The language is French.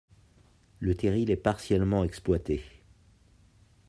Le terril est partiellement exploité.